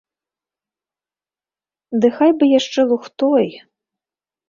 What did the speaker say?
Ды хай бы яшчэ лухтой.